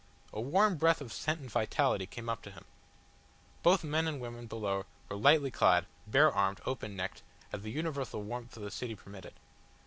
A warm breath of scent and vitality came up to him. Both men and women below were lightly clad, bare armed, open necked, as the universal warmth of the city permitted.